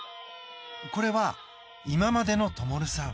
これは、今までの灯さん。